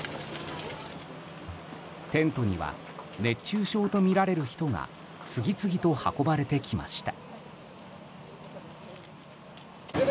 テントには熱中症とみられる人が次々と運ばれてきました。